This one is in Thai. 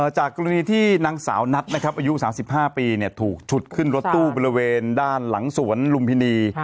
จากกรณีที่นางสาวนัทนะครับอายุ๓๕ปีถูกฉุดขึ้นรถตู้บริเวณด้านหลังสวนลุมพินี